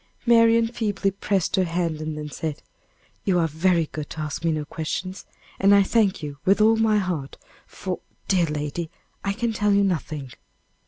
Marian feebly pressed her hand, and then said: "You are very good to ask me no questions, and I thank you with all my heart; for, dear lady, I can tell you nothing."